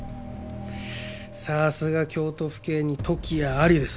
さすが「京都府警に時矢あり」です。